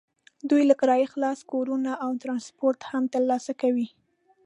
دوی له کرایې خلاص کورونه او ټرانسپورټ هم ترلاسه کوي.